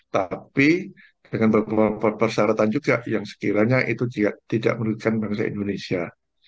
tapi dengan beberapa persyaratan juga yang sekiranya itu tidak menurutkan bangsa indonesia